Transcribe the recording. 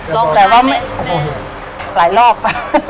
โอ้โหแล้วมานหลายรอบ